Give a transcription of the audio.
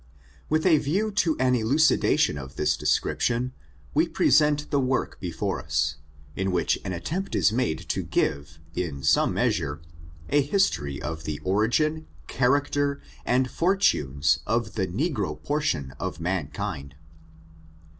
With a view to an elucidation of this description, wo present the work before us, in which an attempt is made to give, in some measure, a history of the origin^ character, and fortuiies, of the negro portion of mankind.